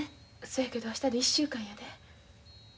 そやけど明日で１週間やで。